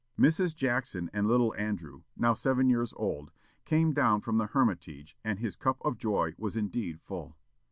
Mrs. Jackson and little Andrew, now seven years old, came down from the Hermitage, and his cup of joy was indeed full.